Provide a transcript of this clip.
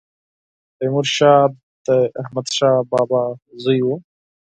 تيمورشاه د احمدشاه بابا زوی و